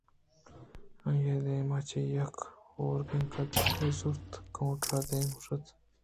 آئی ءِدیم ءَ چہ یک ہورکیں قدحے زُرت ءُکاوئنٹر ءِ دیم ءَ اوشتات